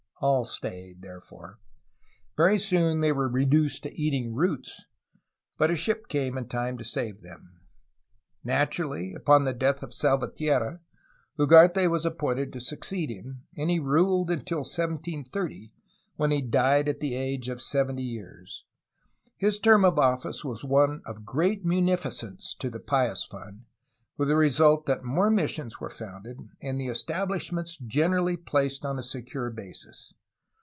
All stayed therefore. Very soon they were reduced to eating roots, but a ship came in time to save them. Naturally, upon the death of Salvatierra, Ugarte was ap pointed to succeed him, and he ruled until 1730, when he died at the age of seventy years. His term of office was one of great munificence to the Pious Fund, with the result that more missions were founded and the establishments generally placed on a secure basis.